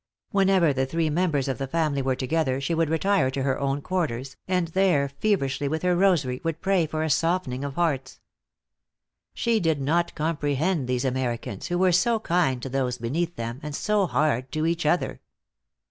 Whenever the three members of the family were together she would retire to her own quarters, and there feverishly with her rosary would pray for a softening of hearts. She did not comprehend these Americans, who were so kind to those beneath them and so hard to each other.